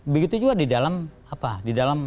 begitu juga di dalam